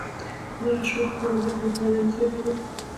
هماغه شپه په خوړنځای کې له پادري سره کېناستم.